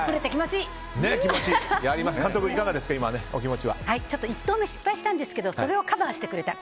監督いかがですか１投目失敗したんですけどそれをカバーしてくれた。